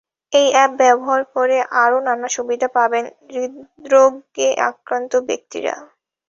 এই অ্যাপ ব্যবহার করে আরও নানা সুবিধা পাবেন হৃদ্রোগে আক্রান্ত ব্যক্তিরা।